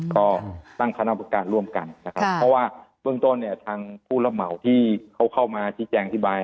ก็ตั้งคณะประการร่วมกันนะครับเพราะว่าเบื้องต้นเนี่ยทางผู้รับเหมาที่เขาเข้ามาชี้แจงอธิบาย